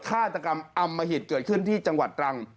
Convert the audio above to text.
ฆาตกรรมอำมหิตเกิดขึ้นที่จังหวัดตรัง